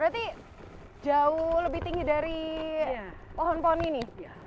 berarti jauh lebih tinggi dari pohon pohon ini